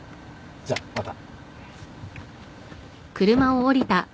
じゃまた。